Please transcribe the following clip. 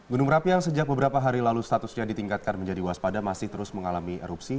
gunung merapi yang sejak beberapa hari lalu statusnya ditingkatkan menjadi waspada masih terus mengalami erupsi